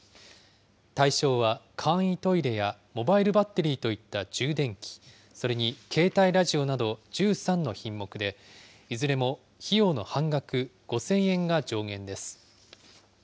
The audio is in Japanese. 対象は簡易トイレやモバイルバッテリーといった充電器、それに携帯ラジオなど１３の品目で、いずれも費用の半額、５０００円が上限です。